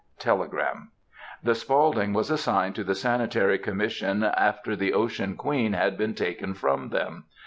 (Telegram.) "The Spaulding was assigned to the Sanitary Commission after the Ocean Queen had been taken from them.